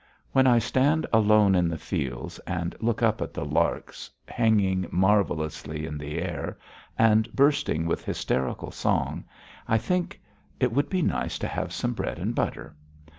When I stand alone in the fields and look up at the larks hanging marvellously in the air, and bursting with hysterical song, I think: "It would be nice to have some bread and butter."